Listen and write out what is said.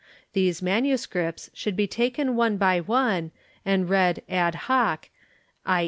These manuscripts should be taken one by one and read ad hoc, 1.